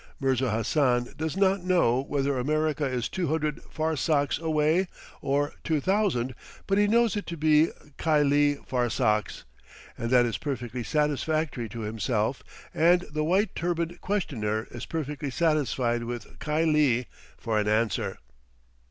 Mirza Hassan does not know whether America is two hundred farsakhs away or two thousand, but he knows it to be "khylie farsakhs," and that is perfectly satisfactory to himself, and the white turbaned questioner is perfectly satisfied with "khylie" for an answer.